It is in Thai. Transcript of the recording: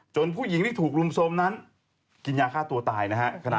ผู้หญิงที่ถูกรุมโทรมนั้นกินยาฆ่าตัวตายนะฮะ